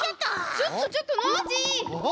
ちょっとちょっとノージー！